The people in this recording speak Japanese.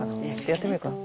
やってみようかな。